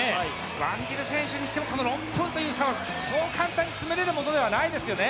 ワンジル選手にしてもこの６分という差はそう簡単に詰めれるものじゃありませんよね。